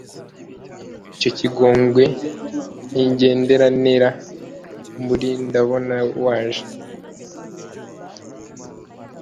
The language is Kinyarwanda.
icyo kigongwe nkigendera nera umunsi ndabona waje